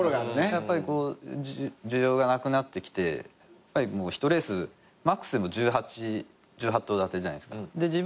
やっぱりこう需要がなくなってきて１レースマックスで１８頭立てじゃないですか。